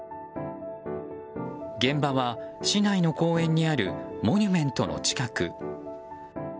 現場は市内の公園にあるモニュメントの近く。